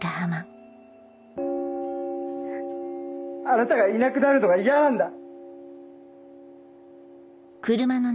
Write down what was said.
あなたがいなくなるのが嫌なんだ。